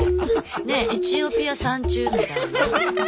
ねっエチオピア三中みたいな。